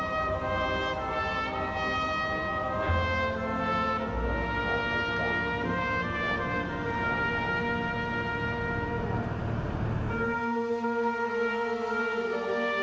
โรงพยาบาลวิทยาศาสตรี